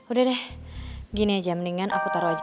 udah deh gini aja mendingan aku taruh aja